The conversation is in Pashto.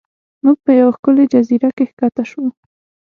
موږ په یوه ښکلې جزیره کې ښکته شو.